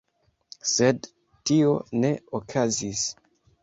Sed tio ne okazis.